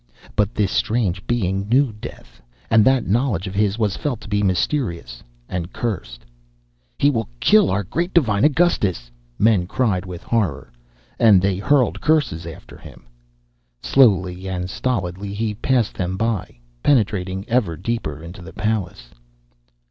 But this strange being knew death, and that knowledge of his was felt to be mysterious and cursed. "He will kill our great, divine Augustus," men cried with horror, and they hurled curses after him. Slowly and stolidly he passed them by, penetrating ever deeper into the palace.